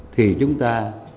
thì chúng ta